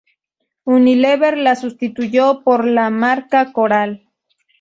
Unilever la sustituyó por la marca Coral.